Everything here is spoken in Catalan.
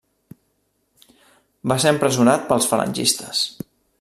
Va ser empresonat pels falangistes.